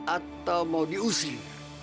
atau mau diusin